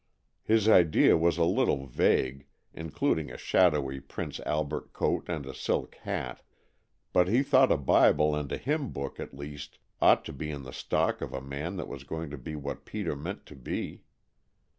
His idea was a little vague, including a shadowy Prince Albert coat and a silk hat, but he thought a Bible and a hymn book, at least, ought to be in the stock of a man that was going to be what Peter meant to be.